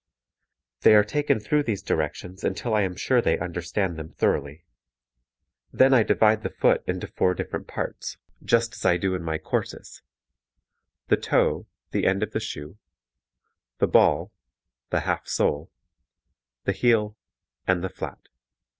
They are taken through these directions until I am sure they understand them thoroughly. Then I divide the foot into four different parts, just as I do in my courses: the toe (the end of the shoe), the ball (the half sole), the heel, and the flat.